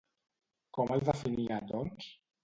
Com el definia, doncs?